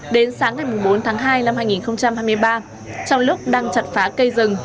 đến sáng ngày bốn tháng hai năm hai nghìn hai mươi ba trong lúc đang chặt phá cây rừng